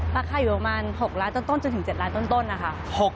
ราคาอยู่ประมาณ๖ล้านต้นจนถึง๗ล้านต้นนะคะ